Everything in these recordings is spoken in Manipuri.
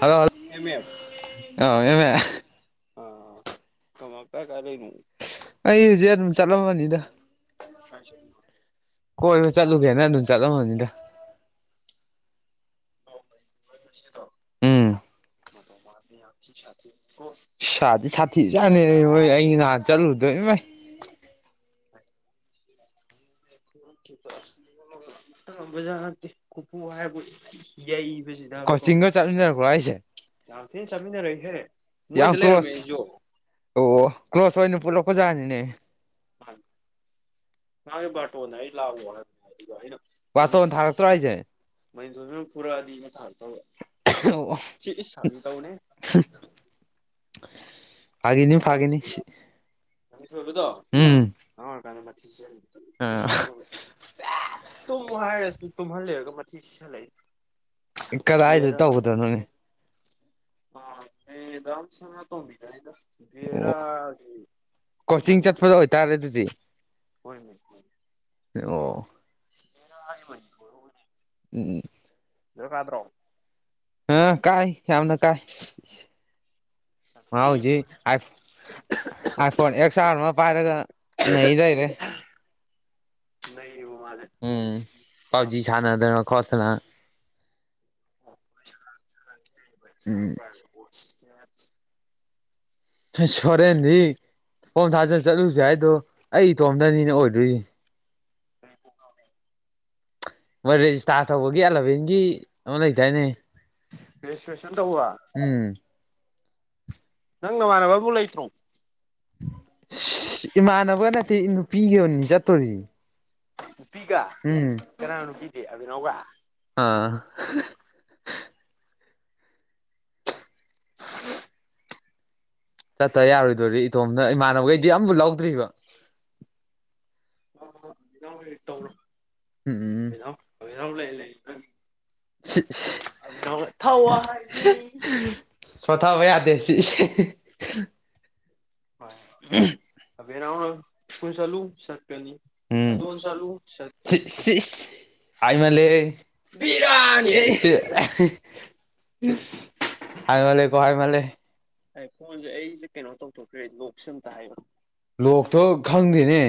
ꯍꯂꯣ ꯑꯦꯝ ꯃꯦꯝ ꯑ ꯀꯃ ꯀꯥꯢ ꯀꯥꯢ ꯂꯩꯅꯣ ꯑꯩ ꯍꯧꯖꯤꯛ ꯑꯗꯨꯝ ꯆꯠꯂꯝꯕꯅꯤꯗ ꯀꯣꯏꯕ ꯆꯠꯂꯨꯒꯦꯅ ꯑꯗꯨꯝ ꯆꯠꯂꯝꯕꯅꯤꯗ ꯈꯣꯢ ꯉꯁꯤꯗꯣ ꯎꯝ ꯃꯇꯧ ꯃꯥꯟꯗꯦ ꯌꯥꯝ ꯊꯤ ꯁꯥꯊꯤꯀꯣ ꯁꯥꯗꯤ ꯁꯥꯊꯤꯖꯥꯠꯅꯦ ꯍꯦ ꯑꯩ ꯅꯍꯥꯟ ꯆꯠꯂꯨꯕꯗꯣ ꯏꯃꯥꯏ [inaudible] [unintelligible] ꯉꯝꯕꯖꯥꯠ ꯅꯠꯇꯦ ꯈꯨꯐꯨ ꯍꯥꯢꯕꯨ ꯌꯩꯕꯤ ꯀꯣꯆꯤꯡꯒ ꯆꯠꯃꯤꯟꯅꯔꯛꯄ꯭ꯔꯣ ꯍꯥꯢꯁꯦ ꯌꯥꯝ ꯊꯤꯅ ꯆꯠꯃꯤꯟꯅꯔꯛꯑꯦꯍꯦ ꯃꯣꯢꯗ ꯂꯩꯔꯝꯃꯦ ꯀ꯭ꯂꯣꯁ ꯑꯩꯁꯨ ꯑꯣ ꯀ꯭ꯂꯣꯁ ꯑꯣꯏꯅ ꯄꯨꯜꯂꯛꯄ ꯖꯥꯠꯅꯤꯅꯦ ꯑꯪ ꯃꯥꯒꯤ ꯕꯥꯔꯇꯣꯟꯗ ꯑꯩ ꯂꯥꯛꯑꯣꯅ [unintelligible] ꯗꯨꯗ ꯑꯩꯅ ꯕꯥꯔꯇꯣꯟ ꯊꯥꯔꯛꯇ꯭ꯔꯣ ꯍꯥꯢꯁꯦ ꯃꯅꯤꯊꯣꯢꯕꯅ ꯐꯨꯔꯛꯑꯗꯤꯅ ꯊꯥꯔꯛꯇꯕ ꯑꯣ ꯁꯤ ꯏꯁ ꯐꯥꯒꯤ ꯇꯧꯕꯅꯦ ꯐꯥꯒꯤꯅꯤ ꯐꯥꯒꯤꯅꯤ ꯃꯊꯣꯏꯕꯗꯣ ꯎꯝ ꯑꯉꯥꯡ ꯑꯣꯢꯔꯤꯀꯥꯟꯗ ꯃꯊꯤ ꯆꯤꯠꯂꯤꯅꯦ ꯑ ꯇꯨꯝꯃꯣ ꯍꯥꯏꯔꯒ ꯇꯨꯝꯍꯟꯂꯦꯔꯒ ꯃꯊꯤ ꯆꯤꯠꯁꯜꯂꯛꯏꯅꯦ ꯀꯗꯥꯏꯗ ꯇꯧꯕꯗꯅꯣꯅꯦ ꯑ ꯃꯦꯗꯥꯝ ꯁꯅꯥꯇꯣꯝꯕꯤꯗꯅꯤꯗ ꯑꯣ ꯚꯦꯔꯥꯗꯤ ꯀꯣꯆꯤꯡ ꯆꯠꯄꯗ ꯑꯣꯏꯇꯥꯔꯦ ꯑꯗꯨꯗꯤ ꯍꯣꯏꯅꯦ ꯑꯣ [unintelligible] ꯎꯝ ꯅꯦꯠꯋꯥꯛ ꯀꯥꯗ꯭ꯔꯣ ꯑ ꯀꯥꯏ ꯌꯥꯝꯅ ꯀꯥꯏ ꯃꯥ ꯍꯧꯖꯤꯛ I iPhone X R ꯑꯃ ꯄꯥꯏꯔꯒ ꯅꯩ ꯂꯩꯔꯦ ꯅꯩ ꯎꯝ ꯄꯞꯖꯤ ꯁꯥꯅꯗꯅ ꯈꯣꯠꯇꯅ ꯎꯝ [unintelligible] ꯑꯁ ꯍꯣꯔꯦꯟꯗꯤ ꯐꯣꯝ ꯊꯥꯖꯟ ꯆꯠꯂꯨꯁꯦ ꯍꯥꯏꯗꯣ ꯑꯩ ꯏꯇꯣꯝꯗꯅꯤꯅꯦ ꯑꯣꯏꯗꯣꯏꯁꯦ ꯑꯩ ꯀꯣꯛ ꯉꯥꯎꯔꯦ ꯃꯣꯏ ꯔꯦꯖꯤꯁꯇꯥꯔ ꯇꯧꯕꯒꯤ ꯑꯦꯂꯚꯦꯟꯒꯤ ꯑꯃ ꯂꯩꯗꯥꯢꯅꯦ ꯔꯦꯖꯤꯁꯇ꯭ꯔꯦꯁꯟ ꯇꯧꯕ ꯅꯪ ꯅꯃꯥꯟꯅꯕ ꯑꯝꯕꯨꯛ ꯂꯩꯇ꯭ꯔꯣ ꯏꯃꯥꯟꯅꯕꯒ ꯅꯠꯇꯦ ꯅꯨꯄꯤꯒ ꯑꯣꯏꯅꯅꯦ ꯆꯠꯇꯣꯔꯤ ꯅꯨꯄꯤꯒ ꯎꯝ ꯀꯅꯥ ꯅꯨꯄꯤꯗꯤ ꯑꯕꯦꯅꯥꯎꯒ [unintelligible] ꯆꯠꯇ ꯌꯥꯔꯣꯏꯗꯣꯔꯤ ꯏꯇꯣꯝꯅ ꯏꯃꯥꯟꯅꯕꯈꯩꯗꯤ ꯑꯃꯕꯧ ꯂꯧꯗ꯭ꯔꯤꯕ ꯎꯝ ꯎꯝ [unintelligible] ꯑꯕꯦꯅꯥꯎꯅ ꯊꯋꯥꯏꯅꯤ ꯁꯣꯊꯕ ꯌꯥꯗꯦ ꯁꯤ [unintelligible] [unintelligible] ꯑꯕꯦꯅꯥꯎꯅ ꯁ꯭ꯀꯨꯜ ꯆꯠꯂꯨ ꯆꯠ ꯎꯝ ꯑꯗꯣꯝꯗ ꯆꯠꯂꯨ ꯆꯠ ꯍꯥꯏꯃꯜꯂꯦꯍꯦ ꯑꯩ ꯕꯦꯔꯥꯅꯤꯍꯦ ꯏꯁ ꯍꯥꯏꯃꯜꯂꯦ ꯀꯣ ꯍꯥꯏꯃꯜꯂꯦ ꯑꯩ ꯐꯣꯟꯁꯦ ꯑꯩꯁꯦ ꯀꯩꯅꯣ ꯇꯧꯊꯣꯛꯇ꯭ꯔꯦ ꯂꯣꯛꯁꯦ ꯑꯃꯨꯛꯇ ꯍꯥꯏꯔꯛꯑꯣ ꯂꯣꯛꯇꯣ ꯈꯪꯗꯦꯅꯦ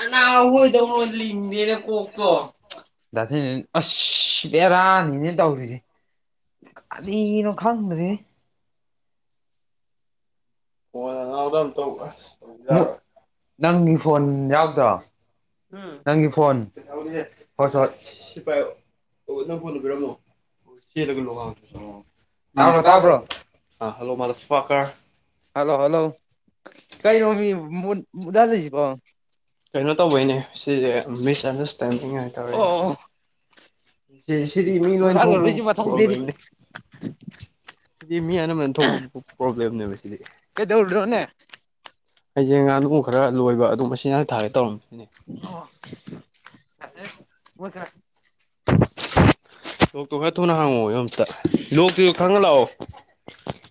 ꯑꯅꯥꯍꯣꯏꯗꯧ ꯂꯣꯏ ꯂꯤꯡꯗꯦꯅꯦ ꯀꯣꯛꯇꯣ ꯗꯥꯗꯤꯅꯦꯁ ꯑꯁ ꯕꯦꯔꯥꯅꯤꯅꯦ ꯇꯧꯔꯤꯁꯦ ꯀꯔꯤꯅꯣ ꯈꯉꯗ꯭ꯔꯦꯍꯦ ꯐꯣꯟ ꯅꯥꯅꯥꯎꯗ ꯑꯃꯨꯛꯇ ꯇꯧ ꯑꯁ ꯀꯣꯜ ꯌꯥꯗ꯭ꯔꯦ ꯅꯪꯒꯤ ꯐꯣꯟ ꯀꯣꯜ ꯌꯥꯎꯗ꯭ꯔꯣ ꯌꯥꯎꯗ꯭ꯔꯥ ꯅꯪꯒꯤ ꯐꯣꯟ ꯍꯣꯏ ꯁꯤ ꯍꯣꯏ ꯄꯥꯏꯌꯣ ꯑꯣ ꯅꯪ ꯐꯣꯟꯗꯨ ꯄꯤꯔꯝꯃꯣ ꯆꯦꯜꯂꯒ ꯑꯣ ꯇꯥꯕ꯭ꯔꯣ ꯇꯥꯕ꯭ꯔꯣ ꯍꯜꯂꯣ ꯃꯥꯗ꯭ꯔ ꯐꯛꯀ꯭ꯔ ꯍꯜꯂꯣ ꯍꯜꯂꯣ ꯀꯩꯅꯣꯃꯤ ꯃꯨꯠ ꯃꯨꯠꯍꯜꯂꯤꯁꯤꯕꯣ ꯀꯩꯅꯣ ꯇꯧꯕꯩꯅꯦ ꯁꯤꯁꯦ ꯃꯤꯁꯑꯟꯗ꯭ꯔꯁꯇꯦꯟꯗꯤꯡ ꯍꯥꯏ ꯇꯧꯔꯛꯏꯕ ꯑꯣ ꯁꯤ ꯁꯤꯗꯤ ꯃꯤ ꯂꯣꯏ ꯊꯣꯛꯄ ꯃꯨꯠꯍꯜꯂꯔꯣꯏꯁꯤ ꯃꯊꯪꯗꯩꯗꯤ ꯄꯔ꯭ꯣꯕꯂꯦꯝꯅꯤ [inaudible] ꯁꯤꯗꯤ ꯃꯤ ꯑꯅꯃꯕꯅ ꯊꯣꯛꯄ ꯄ꯭ꯔꯣꯕ꯭ꯂꯦꯝꯅꯦꯕ ꯁꯤꯗꯤ ꯀꯩꯗꯧꯔꯤꯅꯣꯅꯦ ꯑꯩꯁꯦ ꯉꯥꯅꯨ ꯈꯔ ꯂꯣꯏꯕ ꯑꯗꯨ ꯃꯆꯤꯟꯖꯥꯛ ꯊꯥꯒꯦ ꯇꯧꯔꯝꯃꯤ ꯑꯣ ꯐꯖꯩ [unintelligible] ꯂꯣꯛꯇꯨ ꯈꯔ ꯊꯨꯅ ꯍꯥꯡꯉꯛꯑꯣ ꯑꯝꯇ ꯂꯣꯛꯇꯨ ꯈꯪꯉ ꯂꯥꯛꯑꯣ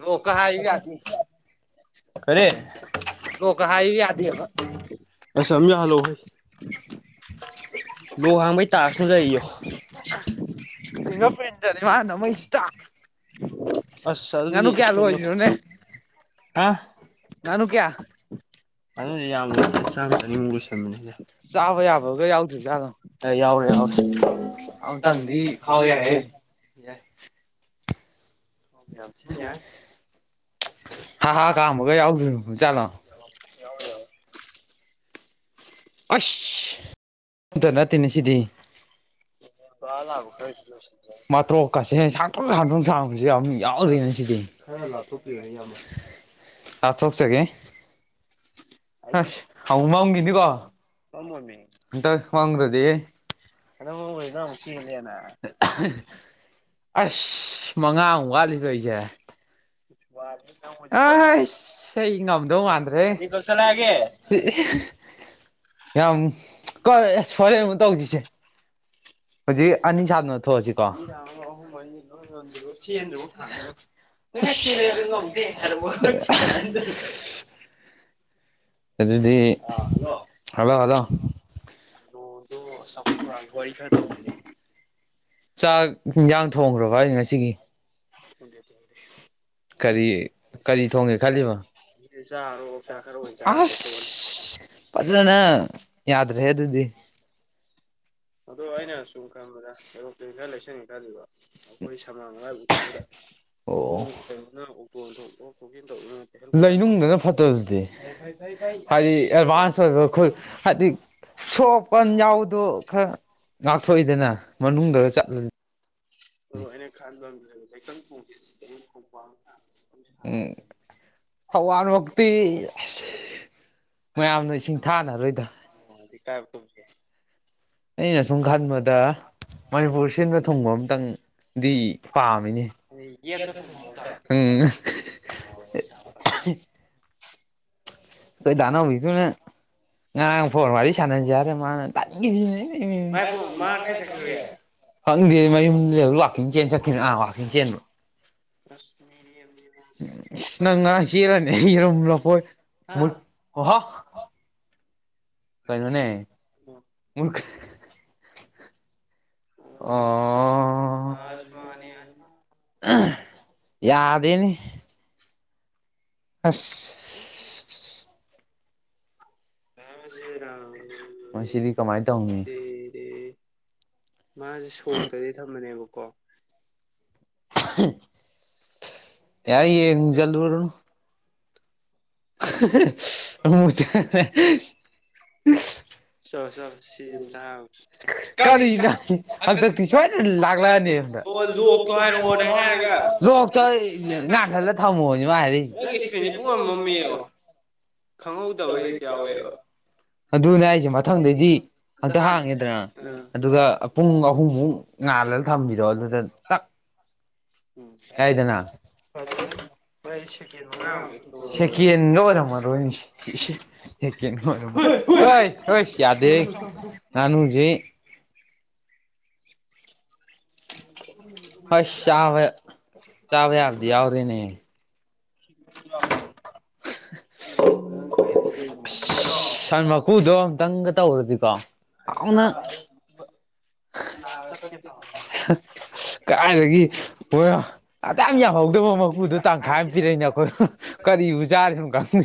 ꯂꯣꯛꯀꯥ ꯍꯥꯏꯌꯨ ꯌꯥꯗꯦ ꯀꯔꯤ ꯂꯣꯛꯀ ꯍꯥꯏꯌꯨ ꯌꯥꯗꯦꯕ ꯑꯁ ꯑꯝ ꯌꯥꯍꯜꯂꯣ ꯍꯣꯏ ꯂꯣꯛ ꯍꯥꯡꯕꯒꯤ ꯇꯥꯛꯁꯁꯨ ꯂꯩ ꯌꯨ ꯐꯤꯡꯒ꯭ꯔ ꯄꯔꯤꯟꯇꯅꯦ ꯃꯥꯅ ꯅꯝꯃꯛ ꯏꯁꯤꯁꯨ ꯇꯥꯗꯦ ꯑꯁ ꯑꯗꯨꯗꯤ ꯑ ꯉꯥꯅꯨ ꯀꯌꯥ ꯉꯥꯅꯨꯁꯤ ꯌꯥꯝꯅ ꯆꯥꯝꯃ ꯆꯅꯤꯃꯨꯛ ꯂꯣꯏꯁꯤꯟ ꯆꯥꯕ ꯌꯥꯎꯔꯦ ꯌꯥꯕꯒ ꯌꯥꯎꯗ꯭ꯔꯤꯖꯥꯠꯂꯣ ꯌꯥꯎꯔꯦ ꯑꯃꯇꯡꯗꯤ ꯑꯃꯨꯛꯇꯪꯗꯤ ꯈꯥꯎ ꯌꯥ ꯍꯦ ꯌꯥꯏꯍꯦ ꯌꯥꯏ ꯌꯥꯝ ꯊꯤꯟ ꯌꯥꯏ ꯍꯥꯥ ꯍꯥ ꯀꯥꯝꯕꯒ ꯌꯥꯎꯗ꯭ꯔꯤꯕ ꯖꯥꯠꯂꯣ ꯌꯥꯎꯔꯣꯏ ꯌꯥꯎꯔꯣꯏ ꯑꯁ ꯑꯃꯇ ꯅꯠꯇꯦꯅꯦ ꯁꯤꯗꯤ ꯀꯪꯉꯥ ꯂꯥꯕ ꯈꯔꯁꯨ ꯂꯣꯎꯁꯟ ꯃꯥꯇ꯭ꯔꯣꯛꯀꯁꯦ ꯁꯥꯡꯇꯣꯛ ꯁꯥꯡꯇꯣꯛ ꯁꯥꯡꯕꯁꯨ ꯌꯥꯝ ꯌꯥꯎꯔꯤꯅ ꯁꯤꯗꯤ ꯈ꯭ꯔ ꯂꯥꯞꯊꯣꯛꯄꯤꯌꯨꯅꯦ ꯏꯌꯥꯝꯕ ꯂꯥꯞꯊꯣꯛꯆꯒꯦ ꯑꯩꯗꯤ ꯈꯪꯉꯝꯅꯤꯀꯣ ꯈꯪꯉꯣꯏꯃꯤ ꯑꯇ ꯋꯥꯉ꯭ꯔꯗꯤ ꯍꯟꯗꯛ ꯃꯔꯛ ꯅꯪ ꯑꯃꯨꯛ ꯆꯦꯜꯂꯦꯅ [unintelligible] ꯑꯁ ꯃꯉꯥꯃꯨꯛ ꯋꯥꯠꯂꯤꯇꯧꯔꯤꯁꯦ ꯋꯥꯔꯦ ꯅꯪ ꯍꯧꯖꯤꯛ ꯑꯁ ꯑꯩ ꯉꯝꯗꯧ ꯃꯥꯟꯗ꯭ꯔꯦꯍꯦ ꯀꯛꯊꯠꯂꯛꯑꯒꯦ ꯌꯥꯝ ꯀꯜꯂꯦ ꯍꯣꯔꯦꯟ ꯑꯃꯨꯛ ꯇꯧꯁꯤꯁꯦ ꯍꯧꯖꯤꯛ ꯑꯅꯤ ꯁꯥꯟꯅ ꯊꯣꯛꯑꯁꯤꯀꯣ ꯑꯅꯤ ꯊꯥꯡꯉꯒ ꯑꯍꯨꯝ ꯃꯔꯤ ꯂꯣꯏ ꯆꯦꯟꯗ꯭ꯔꯤꯕꯧ ꯊꯥꯡꯗꯣꯔꯝ ꯑꯦꯛꯆꯦꯜ ꯉꯝꯗꯦ ꯍꯥꯏꯔꯕ ꯍꯩꯁ ꯑꯗꯨꯗꯤ ꯍꯜꯂꯣ ꯍꯜꯂꯣ ꯂꯣꯗꯣ ꯑꯁ ꯆꯥꯎꯈꯠ ꯊꯧꯔꯥꯡꯒꯤ ꯋꯥꯔꯤ ꯈꯔ ꯇꯧꯁꯤꯅꯦ ꯆꯥꯛ ꯏꯟꯖꯥꯡ ꯊꯣꯡꯈꯒ꯭ꯔꯕꯅꯦ ꯉꯁꯤꯒꯤ ꯊꯣꯡꯗꯦ ꯊꯣꯡꯗ꯭ꯔꯤ ꯀꯔꯤ ꯀꯔꯤ ꯊꯣꯡꯒꯦ ꯈꯜꯂꯤꯕꯥ ꯁꯤꯗꯤ ꯆꯥꯔꯔꯣ ꯑꯣꯛꯆꯥꯛ ꯈꯔ ꯑꯣꯏ ꯆꯥ ꯇꯣꯛꯊꯣꯛꯑꯅꯤ ꯑꯁ ꯇꯜꯂꯦꯍꯦ ꯑꯗꯨꯗꯤ ꯑꯗꯣ ꯑꯩꯅ ꯁꯨꯝ ꯈꯟꯕꯗ ꯔꯣꯛꯇꯦꯜ ꯈꯔ ꯂꯩꯁꯟꯒꯦ ꯈꯜꯂꯤꯕ ꯑꯩꯈꯣꯏ ꯁꯃꯥꯡ ꯂꯝꯒꯥꯏꯕꯨꯛ ꯑꯣ ꯈꯣꯡ ꯀꯩꯅꯣꯅ ꯑꯣꯛꯇꯣꯅ ꯊꯣꯛ ꯑꯣꯛ ꯊꯣꯛꯀꯤ ꯂꯩꯅꯨꯡꯗꯅ ꯐꯠꯇ꯭ꯔꯣꯗꯨꯗꯤ ꯐꯩ ꯐꯩ ꯍꯥꯏꯗꯤ ꯑꯦꯗꯚꯥꯟꯁ ꯑꯣꯏꯕ ꯍꯥꯏꯗꯤ ꯁꯣꯛ ꯄꯟ ꯌꯥꯎꯕꯗꯣ ꯈꯔ ꯉꯥꯛꯊꯣꯛꯏꯗꯅꯥ ꯃꯅꯨꯡꯗ ꯆꯠꯂ ꯃꯔꯨꯞ ꯑꯩꯅ ꯈꯟꯕ ꯑꯃꯗꯤ ꯂꯩꯕ ꯂꯩꯀꯪ ꯊꯣꯡꯖꯦ ꯁꯤꯗꯩ ꯈꯣꯡꯄꯥꯛꯑꯝ ꯎꯝ ꯊꯋꯥꯟꯃꯛꯇꯤ ꯃꯌꯥꯝ ꯃꯌꯥꯝꯅ ꯏ ꯁꯤꯡꯊꯥꯅꯔꯣꯏꯗ [inaudible] ꯑꯩꯅ ꯁꯨꯝ ꯈꯟꯕꯗꯥ ꯃꯅꯤꯄꯨꯔ ꯁꯤꯟꯕ ꯊꯨꯡꯕ ꯑꯃꯇꯪꯗꯤ ꯄꯥꯝꯃꯤꯅꯦ ꯑꯗꯩ ꯌꯦꯠꯄ ꯒꯦꯠꯇ ꯊꯨꯝꯃꯣꯔꯛꯀ ꯑꯣ ꯆꯥꯞ ꯐꯖꯩ ꯈꯣꯏ ꯗꯥꯅꯥꯎꯕꯤꯗꯨꯅꯥ ꯉꯥꯡ ꯐꯣꯟ ꯋꯥꯔꯤ ꯁꯥꯟꯅꯖꯤ ꯍꯥꯏꯔ ꯃꯥꯅ ꯇꯟꯒꯤꯞꯁꯤꯅ ꯪ ꯃꯥꯏꯕꯣ ꯃꯥ ꯀꯥꯏ ꯆꯠꯈ꯭ꯔꯒꯦ ꯈꯪꯗꯤꯌꯦ ꯃꯌꯨꯝꯗ ꯂꯩꯌꯧ ꯋꯥꯀꯤꯡ ꯆꯦꯟ ꯆꯠꯈꯤꯕꯅꯦ ꯎꯝ ꯋꯥꯥꯛꯀꯤꯡ ꯆꯦꯟꯕ ꯑꯁ ꯃꯤꯔꯦꯝ ꯏꯁ ꯅꯪ ꯉꯔꯥꯡ ꯆꯦꯜꯂꯅꯤ ꯌꯦꯔꯨꯝ ꯂꯐꯣꯏ ꯑꯣ ꯍꯣ ꯀꯩꯅꯣꯅꯦ ꯃꯨꯠ ꯑꯣ [unintelligible] ꯌꯥꯗꯦꯅꯦ ꯑꯁ [unintelligible] ꯃꯁꯤꯗꯤ ꯀꯃꯥꯏ ꯇꯧꯅꯤ ꯃꯥꯖꯦ ꯁꯣꯛꯇꯗꯤ ꯊꯝꯕꯅꯦꯕꯀꯣ ꯌꯥꯔꯦ ꯌꯦꯡꯖꯜꯂꯨꯔꯣ ꯆꯂꯣ ꯆꯂꯣ ꯁꯤꯁꯦ ꯑꯝꯇ ꯍꯥꯏꯔꯣ [unintelligible] ꯀꯔꯤ ꯀꯔꯤꯅꯣ ꯅꯪ ꯍꯟꯇꯛꯇꯤ ꯁꯣꯏꯗꯅ ꯂꯥꯛꯂꯑꯅꯤ ꯍꯣ ꯂꯣꯛꯇꯣ ꯍꯥꯏꯔꯛꯑꯣꯅ ꯍꯥꯏꯔꯒ ꯂꯣꯛꯇꯣ ꯉꯥꯟꯊꯍꯜꯂ ꯊꯝꯃꯣꯅꯦ ꯃꯥ ꯍꯥꯏꯔꯛꯏꯖꯦ ꯅꯪꯒꯤ ꯑꯩ ꯏꯁꯀ꯭ꯔꯤꯟꯁꯦ ꯏꯁꯄꯥ꯭ꯦꯛꯁꯦ ꯄꯨꯡꯃꯝ ꯄꯨꯝꯃꯝ ꯃꯝꯃꯤꯌꯣ ꯃꯝꯃꯤꯕꯣ ꯃꯅꯨꯡꯗ ꯈꯪꯍꯧꯗꯕ ꯍꯦꯛ ꯀꯩꯀꯩꯅꯣ ꯌꯥꯎꯋꯦꯕ ꯌꯥꯎꯌꯦꯕ ꯑꯗꯨꯅꯦ ꯍꯥꯏꯖꯦ ꯃꯊꯪꯗꯩꯗꯤ ꯑꯝꯇ ꯍꯟꯇꯛ ꯍꯥꯡꯒꯦ ꯍꯥꯡꯉꯦꯗꯅꯥ ꯑ ꯑꯗꯨꯒ ꯄꯨꯡ ꯑꯍꯨꯝꯃꯨꯛ ꯉꯥꯜꯂꯜ ꯊꯝꯕꯤꯗꯣ ꯑꯗꯨꯗ ꯇꯛ ꯎꯝ ꯌꯥꯏꯗꯅ ꯐꯖꯩ ꯃꯥꯏꯖꯦ ꯁꯦꯀꯦꯟꯒ ꯑꯣꯏꯔꯝꯃꯔꯣꯏ ꯏꯁꯦ ꯁꯦꯀꯦꯟꯒ ꯑꯣꯏꯔꯝꯃꯔꯣꯏ ꯍꯣꯏꯁ ꯌꯥꯗꯦꯍꯦ ꯉꯥꯅꯨꯖꯤ ꯍꯩꯁ ꯆꯥꯕ ꯆꯥꯕ ꯌꯥꯕꯗꯤ ꯌꯥꯎꯔꯦꯅꯦ [inaudible] ꯑꯁ ꯁꯟ ꯃꯀꯨꯗꯣ ꯑꯝꯇꯪꯒ ꯇꯧꯔꯗꯤꯀꯣ ꯀꯩ ꯆꯥꯑꯔꯣꯏ ꯃꯀꯨꯒ ꯌꯥꯒ ꯇꯠꯀꯦ ꯇꯧꯏ ꯀꯔꯥꯏꯗꯒꯤ ꯍꯣꯏ ꯑꯗꯥꯝ ꯌꯥꯝꯍꯧꯗꯕ ꯃꯀꯨꯗꯣ ꯇꯪꯈꯥꯏ ꯑꯝ ꯑꯣꯏꯔꯝꯒꯅꯤ ꯄꯤꯔꯛꯏꯅꯦ ꯑꯩꯈꯣꯏ ꯍꯨꯝ ꯀꯔꯤꯕꯨ ꯆꯥꯔꯤꯅꯣ ꯈꯪꯗꯦ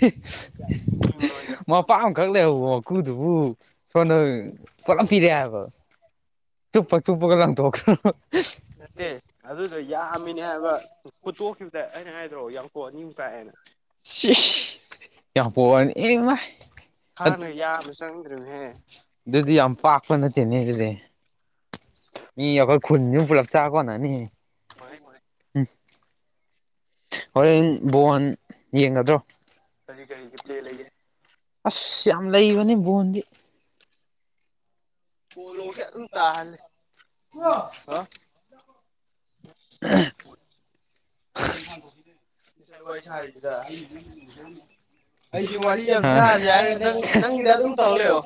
ꯍꯤ ꯍꯨꯏ ꯃ ꯃꯄꯥꯛ ꯑꯃꯈꯛ ꯂꯩꯍꯧꯕ ꯃꯀꯨꯗꯨꯕꯨ ꯁꯣꯝꯗ ꯄꯨꯂꯞ ꯄꯤꯔꯛꯑꯦ ꯍꯥꯏꯕ [inaudible] ꯆꯨꯞꯄꯒ ꯂꯪꯊꯣꯛꯈ꯭ꯔꯕ ꯅꯠꯇꯦ ꯑꯗꯨꯗꯣ ꯌꯥꯝꯃꯤꯅꯦ ꯍꯥꯏꯕ ꯐꯨꯠꯇꯣꯛꯈꯤꯕ ꯑ ꯑꯩꯅ ꯍꯥꯏꯗ꯭ꯔꯣ ꯌꯥꯝ ꯀꯣ ꯅꯤꯡ ꯄꯥꯛꯑꯦꯅ ꯁꯤꯁ ꯌꯥꯝ ꯀꯣꯕꯔꯅꯤ ꯏꯃꯥꯏ ꯊꯥꯡꯅ ꯌꯥꯟꯕꯁꯨ ꯆꯡꯗ꯭ꯔꯦꯍꯦ ꯑꯗꯨꯗꯤ ꯌꯥꯝ ꯄꯥꯛꯄ ꯅꯠꯇꯦꯅꯦ ꯑꯗꯨꯗꯤ ꯃꯤ ꯑꯩꯈꯣꯏ ꯈꯨꯜꯁꯤ ꯄꯨꯂꯞ ꯆꯥ ꯀꯣꯅꯥꯅꯤ ꯃꯍꯩ ꯃꯍꯩ ꯍꯣꯔꯦꯟ ꯕꯣꯟ ꯌꯦꯡꯒꯗ꯭ꯔꯣ ꯀꯔꯤ ꯀꯔꯤꯒꯤ ꯄ꯭ꯂꯦ ꯂꯩꯒꯦ ꯑ ꯌꯥꯝ ꯂꯩꯕꯅꯤ ꯕꯣꯟꯗꯤ ꯄꯣꯂꯣꯁꯦ ꯑꯗꯨꯝ ꯇꯥꯍꯜꯂꯦ ꯍꯥ [unintelligible] ꯉꯁꯥꯏ ꯋꯥꯔꯤ ꯁꯥꯏꯁꯤꯗ ꯁꯥꯔꯤꯗꯨꯗ ꯑꯩꯁꯨ ꯋꯥꯔꯤ ꯋꯥꯔꯤꯗ ꯌꯥꯝ ꯁꯥꯁꯦ ꯍꯥꯏꯔꯒ ꯅꯪ ꯅꯪꯒꯤꯗ ꯑꯗꯨꯝ [unintelligible] ꯇꯧ ꯇꯧꯪꯂꯩꯌꯣ ꯂꯩꯌꯣ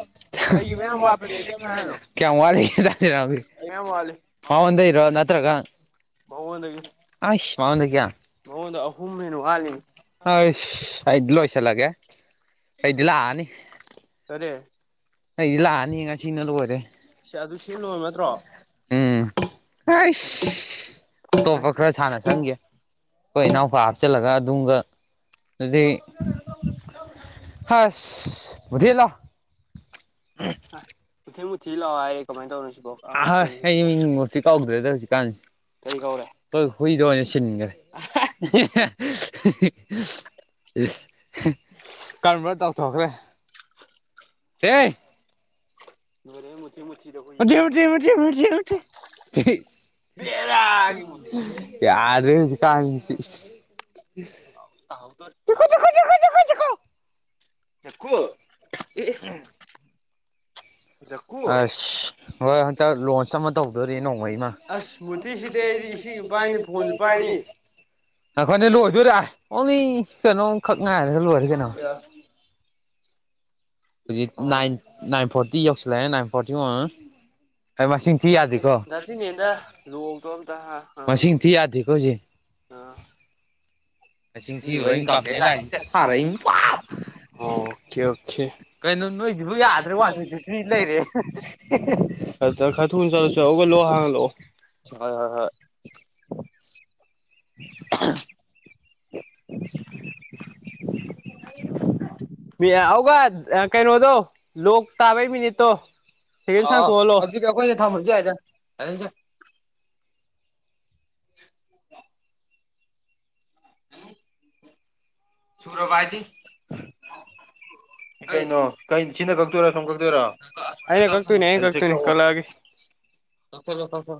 ꯑꯩꯒꯤ ꯃꯌꯥꯝ ꯋꯥꯠꯄꯗꯩ ꯀꯩꯝ ꯍꯥꯏꯔꯅꯨ ꯀꯌꯥ ꯋꯥꯜꯂꯤ [unintelligible] ꯑꯩ ꯃꯌꯥꯝ ꯋꯥꯠꯂꯤ ꯃꯥꯑꯣꯟꯗꯩꯔꯣ ꯅꯠꯇ꯭ꯔꯒ ꯑꯁ ꯃꯥꯎꯣꯟꯗꯒꯤ ꯃꯑꯣꯟꯗ ꯑꯍꯨꯝ ꯍꯦꯟꯅ ꯋꯥꯠꯂꯤ ꯍꯥꯏꯁ ꯑꯩꯗꯤ ꯂꯣꯏꯁꯤꯜꯂꯒꯦ ꯑꯩꯗꯤ ꯀꯔꯤ ꯑꯩ ꯂꯥꯛꯑꯅꯤ ꯉꯁꯤꯅ ꯂꯣꯏꯔꯦ ꯁꯤ ꯑꯗꯨ ꯁꯤ ꯂꯣꯔꯕ ꯅꯠꯇ꯭ꯔꯣ ꯍꯩꯁ ꯑꯇꯣꯞꯄ ꯈꯔ ꯁꯥꯟꯅ ꯆꯪꯒꯦ ꯑꯩꯈꯣꯏ ꯏꯅꯥꯎꯄꯥ ꯍꯥꯞꯆꯤꯜꯂꯒ ꯅꯨꯡꯒ ꯑꯗꯨꯗꯤ ꯍꯁ ꯃꯨꯊꯤ ꯂꯥꯎ ꯃꯨꯊꯤ ꯃꯨꯊꯤ ꯂꯑꯣ ꯍꯥꯏꯔꯦ ꯀꯃꯥꯏꯅ ꯇꯧꯗꯣꯏꯅꯣ ꯑ ꯑꯩ ꯍꯩ ꯃꯍꯤꯒ ꯀꯤꯛ ꯀꯥꯎꯗ꯭ꯔꯦꯗ ꯍꯧꯖꯤꯛ ꯀꯔꯤ ꯀꯥꯟꯁꯤ ꯀꯧꯔꯦ ꯍꯣꯏ ꯍꯨꯏꯗꯣ ꯑꯣꯏꯅ ꯁꯤꯟꯈ꯭ꯔꯦ ꯀꯔꯝꯕ ꯇꯥꯎꯊꯣꯛꯈ꯭ꯔꯦ ꯑꯦ [unintelligible] ꯍꯨꯏ ꯃꯨꯊꯤ ꯃꯨꯊꯤ ꯃꯨꯊꯤ ꯃꯨꯊꯤ ꯕꯦꯔꯥꯒꯤ ꯃꯨꯊꯤꯅꯤ ꯌꯥꯗ꯭ꯔꯦ ꯍꯧꯖꯤꯛꯀꯥꯟꯁꯤ ꯇꯥꯍꯧꯗꯣꯔꯦ [unintelligible] ꯆꯀꯨ ꯑꯦ ꯑꯦ ꯖꯀꯨ ꯑꯁ ꯍꯣꯏ ꯍꯟꯇꯛ ꯂꯣꯟꯆ ꯑꯃ ꯇꯧꯗꯣꯔꯤ ꯅꯣꯡꯃꯩꯃ ꯑꯁ ꯃꯨꯊꯤꯁꯤꯗꯤ ꯑꯩꯗꯤ ꯏꯁꯤꯡꯁꯨ ꯄꯥꯏꯅꯤ ꯐꯣꯟꯁꯨ ꯄꯥꯏꯅꯤ [unintelligible] ꯉꯥꯏꯈꯣꯅꯦ ꯂꯣꯏꯗꯣꯏꯔꯥ ꯑꯣꯡꯂꯤ ꯀꯩꯅꯣꯝꯈꯛ ꯉꯥꯏꯔꯦ ꯂꯣꯏꯔꯦ ꯀꯩꯅꯣ ꯍꯧꯖꯤꯛ ꯅꯥꯏꯟ ꯅꯥꯏꯟ ꯐꯣꯔꯇꯤ ꯌꯧꯁꯤꯜꯂꯛꯑꯦ ꯅꯥꯏꯟ ꯐꯣꯔꯇꯤ ꯑꯩ ꯃꯁꯤꯡ ꯊꯤ ꯌꯥꯗꯦꯀꯣ ꯃꯁꯤꯡ ꯊꯤ ꯌꯥꯗꯦꯀꯣ ꯍꯧꯖꯤꯛ [unintelligible] ꯑ ꯃꯁꯤꯡ ꯊꯤꯔꯨꯕꯩ ꯀꯝꯄ꯭ꯜꯦꯟ ꯂꯥꯛꯏꯁꯦ ꯊꯥꯔꯛꯏ ꯑꯣ ꯊꯤꯌꯨ ꯀꯩꯅꯣ ꯅꯣꯏꯗꯨꯕꯨ ꯌꯥꯗ꯭ꯔꯕꯣ [unintelligible] ꯂꯩꯔꯦ [unintelligible] ꯊꯨꯅ ꯆꯠꯂꯣꯁꯦ ꯍꯧꯒꯠꯂꯣ ꯍꯥꯏꯔꯥ ꯍꯂꯛꯑꯣ ꯑꯍꯦꯝ [inaudible] ꯑꯗꯨꯒ ꯀꯩꯅꯣꯗꯣ ꯂꯣꯛ ꯇꯥꯕꯩ ꯃꯤꯅꯤꯠꯇꯣ ꯑ ꯁꯦꯀꯦꯟ ꯁꯥꯡꯇꯣꯛꯍꯜꯂꯣ ꯑꯗꯨꯗꯤ ꯀ ꯀꯣꯏꯅ ꯊꯥꯝꯃꯁꯨ ꯌꯥꯏꯗ [inaudible] [inaudible] ꯁꯨꯔꯕ ꯍꯥꯏꯗꯤ ꯀꯩꯅꯣ ꯁꯤꯅ ꯀꯛꯇꯣꯏꯔꯥ ꯁꯣꯝ ꯀꯛꯇꯣꯏꯔꯣ [unintelligible] ꯑꯩꯅ ꯀꯛꯇꯣꯏꯅꯦ ꯑꯩꯅ ꯀꯛꯇꯣꯏꯅꯦ ꯀꯛꯊꯠꯂꯣ ꯀꯛꯂꯛꯑꯒꯦ ꯀꯛꯊꯠꯂꯣ